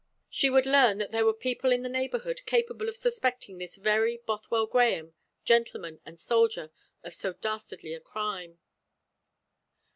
She would learn that there were people in the neighbourhood capable of suspecting this very Bothwell Grahame, gentleman and soldier, of so dastardly a crime.